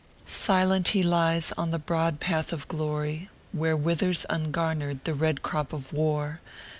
Silent he lies on the broad path of glory, Where withers ungarnered the red crop of war.